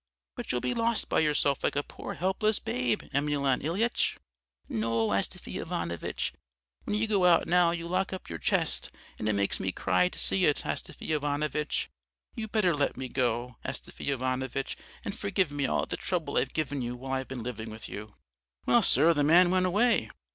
But you'll be lost by yourself like a poor helpless babe, Emelyan Ilyitch.' "'No, Astafy Ivanovitch, when you go out now, you lock up your chest and it makes me cry to see it, Astafy Ivanovitch. You'd better let me go, Astafy Ivanovitch, and forgive me all the trouble I've given you while I've been living with you.' "Well, sir, the man went away.